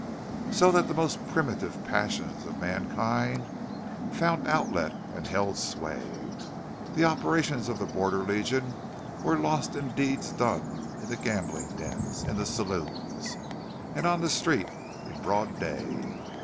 So that the most primitive passions of mankind found outlet and held sway. The operations of the Border Legion were lost in deeds done in the gambling dens, in the saloons, and on the street, in broad day.